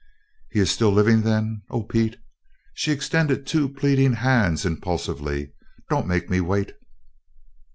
"He is still living, then? Oh, Pete!" She extended two pleading hands impulsively, "Don't make me wait!"